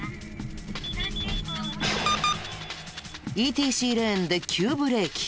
ＥＴＣレーンで急ブレーキ。